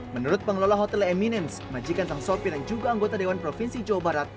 menurut pengelola hotel eminens majikan sang sopir dan juga anggota dewan provinsi jawa barat